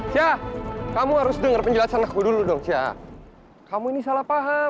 sya kamu harus dengar penjelasan aku dulu dong sya